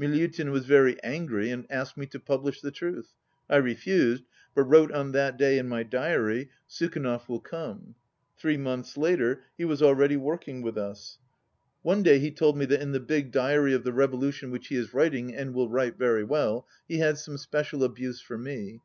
Miliutin was very angry and asked me to publish the truth. I refused, but wrote on that day in my diary, 'Sukhanov will come.' 103 Three months later he was already working with us. One day he told me that in the big' diary of the revolution which he is writing, and will write very well, he had some special abuse for me.